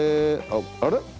あれ？